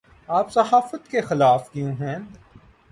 آپ صحافت کے خلاف کیوں ہیں